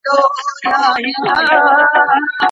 د کمپیوټر ساینس پوهنځۍ بې هدفه نه تعقیبیږي.